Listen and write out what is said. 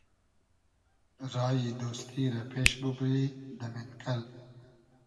رایی دۉستی رۂ پېش بوبری دۂ مېنکئل